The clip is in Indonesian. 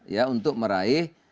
ya untuk meraih